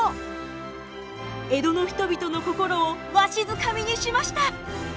江戸の人々の心をわしづかみにしました。